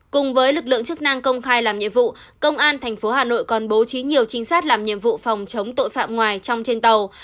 cùng với lực lượng chức năng công khai làm nhiệm vụ công an tp hà nội còn bố trí nhiều trinh sát làm nhiệm vụ phòng chống tội phạm ngoài trong trên tàu